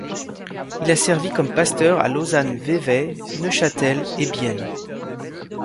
Il a servi comme pasteur à Lausanne-Vevey, Neuchâtel et Bienne.